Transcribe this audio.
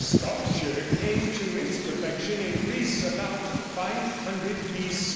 Sculpture came to its perfection in Greece about 500 B.